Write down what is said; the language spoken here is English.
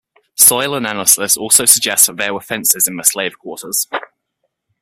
Soil analysis also suggests that there were fences in the slave quarters.